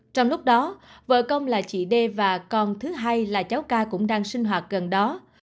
trong lúc đó vợ công là chị đê và con thứ hai là cháu ca cũng đang sinh hoạt gần đó